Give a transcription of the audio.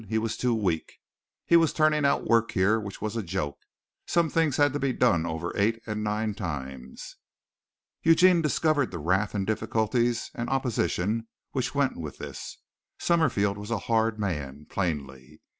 He was too weak. He was turning out work here which was a joke some things had to be done over eight and nine times." Eugene discovered the wrath and difficulties and opposition which went with this. Summerfield was a hard man, plainly.